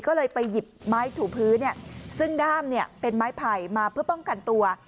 ก็เลยไปหยิบไม้ถูพื้นซึ่งด้ามเป็นไม้ไผ่มาเพื่อป้องกันตัว